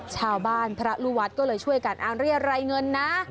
ชาวบ้านพระรุวัตรก็เลยช่วยกันอ้างเรียรายเงินนะ